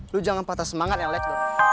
lo jangan patah semangat ya lex